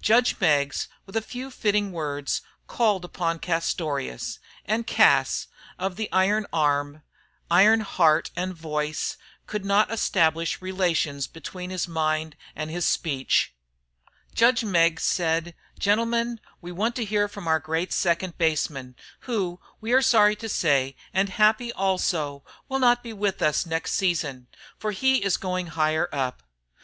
Judge Meggs, with a few fitting words, called upon Castorious; and Cas, he of the iron arm, iron heart and voice, could not establish relations between his mind and his speech. Judge Meggs said: "Gentlemen, we want to hear from our great second baseman, who, we are sorry to say and happy also, will not be with us next season. For he is going higher up.